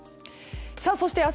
そして明日